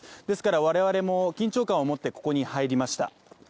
ですから我々も緊張感を持ってここに入りました。